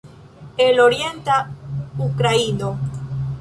El orienta Ukraino